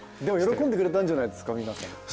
でも喜んでくれたんじゃないですか皆さん。